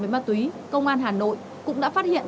với ma túy công an hà nội cũng đã phát hiện